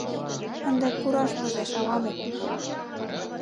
Ынде пураш возеш ала-мо...